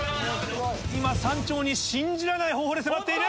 今山頂に信じられない方法で迫っている。